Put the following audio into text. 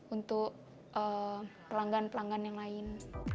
untuk pelanggan pelanggan yang lain